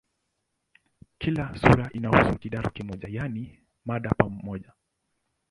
Kila sura inahusu "kidato" kimoja, yaani mada moja.